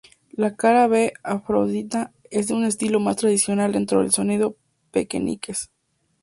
La cara B, Afrodita es de un estilo más tradicional dentro del sonido Pekenikes.